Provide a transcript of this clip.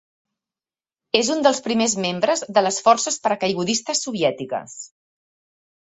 És un dels primers membres de les Forces Paracaigudistes Soviètiques.